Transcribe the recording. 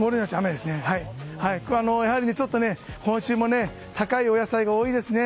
やはり今週も高いお野菜が多いですね。